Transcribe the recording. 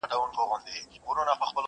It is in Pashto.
هم په تېښته کي چالاک هم زورور وو.!